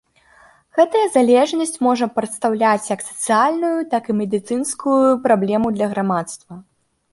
Гэтая залежнасць можа прадстаўляць як сацыяльную, так і медыцынскую праблему для грамадства.